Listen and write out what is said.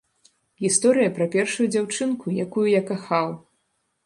Гісторыя пра першую дзяўчынку, якую я кахаў.